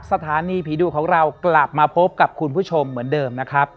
สถานีผีดุของเรากลับมาพบกับคุณผู้ชมเหมือนเดิมนะครับ